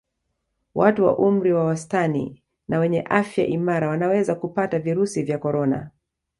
Watu wa umri wa wastani na wenye afya imara wanaweza kupata virusi vya Corona